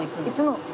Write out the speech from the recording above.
いつも。